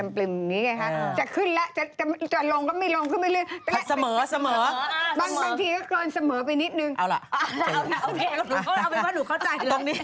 เอาไปว่าหนูเข้าใจเลย